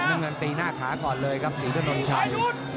น้ำเงินตีหน้าขาก่อนเลยครับศรีถนนชัย